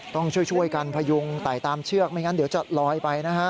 ต้องช่วยกันพยุงไต่ตามเชือกไม่งั้นเดี๋ยวจะลอยไปนะฮะ